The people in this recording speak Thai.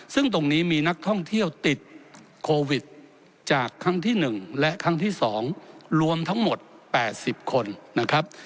ซึ่งตรงนี้มีนักท่องเที่ยวติดโควิดจากครั้งที่๑และครั้งที่๒รวมทั้งหมด๘๐คนนะครับ